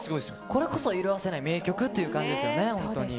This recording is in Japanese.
これこそ色あせない名曲っていう感じですよね、本当に。